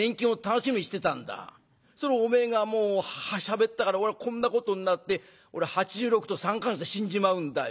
それをおめえがしゃべったから俺はこんなことになって俺８６と３か月で死んじまうんだよ。